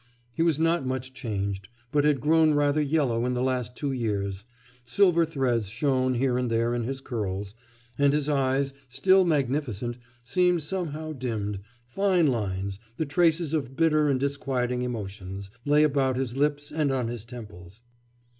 He was not much changed, but had grown rather yellow in the last two years; silver threads shone here and there in his curls, and his eyes, still magnificent, seemed somehow dimmed, fine lines, the traces of bitter and disquieting emotions, lay about his lips and on his temples.